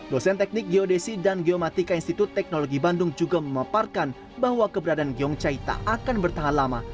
dosen teknik geodesi dan geomatika institut teknologi bandung juga memaparkan bahwa keberadaan gyong chai tak akan bertahan lama